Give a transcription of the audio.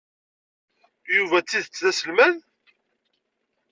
Yuba d tidet d aselmad?